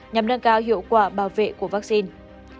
nhằm nâng cao hiệu quả bảo vệ của vaccine